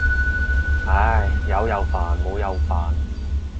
唉，有又煩冇又煩。